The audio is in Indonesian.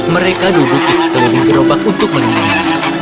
mereka duduk di sekeliling gerobak untuk melindungi